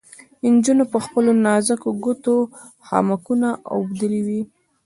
نجونو په خپلو نازکو ګوتو خامکونه اوبدلې وې.